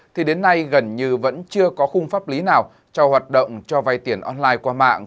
thì đến nay gần như vẫn chưa có khung pháp lý nào cho hoạt động cho vay tiền online qua mạng